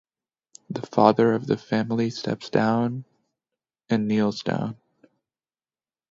The father of the family steps forward and kneels down.